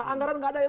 anggaran tidak ada